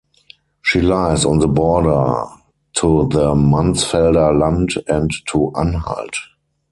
She lies on the border to the Mansfelder Land and to Anhalt.